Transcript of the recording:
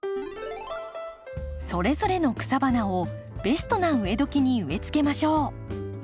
それぞれの草花をベストな植えどきに植えつけましょう。